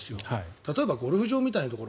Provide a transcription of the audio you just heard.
例えばゴルフ場みたいなところ。